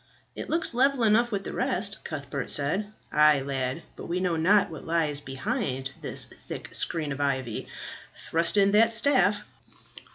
"It looks level enough with the rest," Cuthbert said. "Ay, lad, but we know not what lies behind this thick screen of ivy. Thrust in that staff."